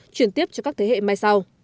chuyển tiếp cho các thế hệ mai sau